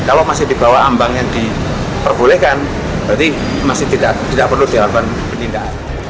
kalau masih di bawah ambang yang diperbolehkan berarti masih tidak perlu dilakukan penindakan